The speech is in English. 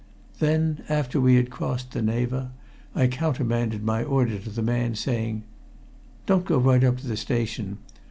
Then, after we had crossed the Neva, I countermanded my order to the man, saying "Don't go right up to the station.